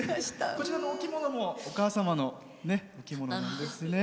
こちらのお着物もお母様のお着物なんですね。